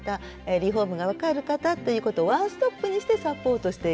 リフォームが分かる方ということをワンストップにしてサポートしていく。